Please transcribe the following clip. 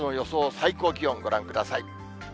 最高気温、ご覧ください。